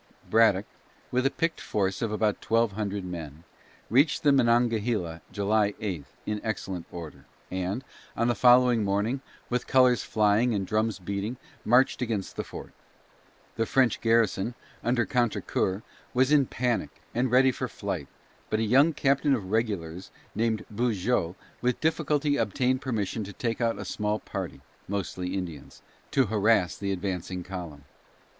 Braddock, with a picked force of about twelve hundred men, reached the Monongahela July 8 in excellent order, and, on the following morning, with colors flying and drums beating, marched against the fort. The French garrison, under Contrecoeur, was in a panic, and ready for flight, but a young captain of regulars named Beaujeu with difficulty obtained permission to take out a small party, mostly Indians, to harass the advancing column.